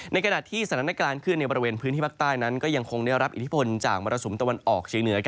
ในขณะที่สถานการณ์ขึ้นในบริเวณพื้นที่ภาคใต้นั้นก็ยังคงได้รับอิทธิพลจากมรสุมตะวันออกเชียงเหนือ